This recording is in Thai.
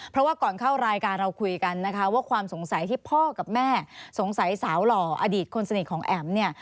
เพราะว่าก่อนเข้ารายการเราคุยกันนะคะว่าความสงสัยที่พ่อกับแม่สงสัยสาวหล่ออดีตคนสนิทของแอ๋มเนี่ย